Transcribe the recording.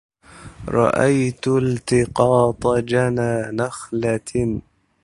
رأيت التقاط جنى نخلة